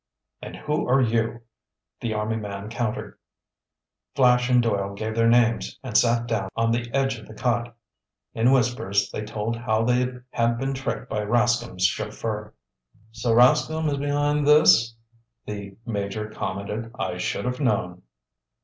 "And who are you?" the army man countered. Flash and Doyle gave their names and sat down on the edge of the cot. In whispers they told how they had been tricked by Rascomb's chauffeur. "So Rascomb is behind this?" the Major commented. "I should have known!"